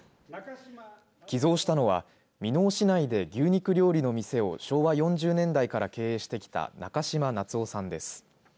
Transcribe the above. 寄贈したのは箕面市内で牛肉料理の店を昭和４０年代から経営してきた中嶋夏男さんです。